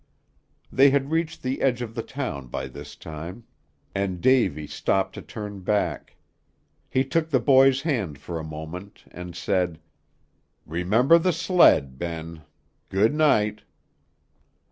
They had reached the edge of the town by this time, and Davy stopped to turn back. He took the boy's hand for a moment, and said, "Remember the sled, Ben. Good night."